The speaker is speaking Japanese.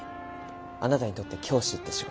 あなたにとって教師って仕事。